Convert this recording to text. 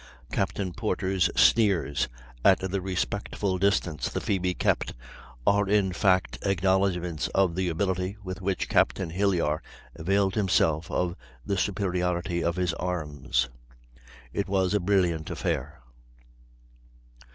Captain Porter's sneers at the respectful distance the Phoebe kept are in fact acknowledgments of the ability with which Captain Hilyar availed himself of the superiority of his arms; it was a brilliant affair."